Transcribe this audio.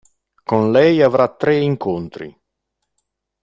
Con lei avrà tre "incontri".